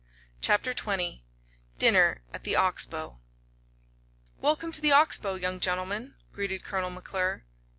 CHAPTER XX DINNER AT THE OX BOW "Welcome to the Ox Bow, young gentlemen," greeted Colonel McClure.